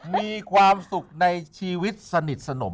มีความสุขในชีวิตสนิทสนม